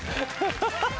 ハハハ！